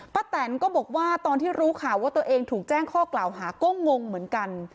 แตนก็บอกว่าตอนที่รู้ข่าวว่าตัวเองถูกแจ้งข้อกล่าวหาก็งงเหมือนกัน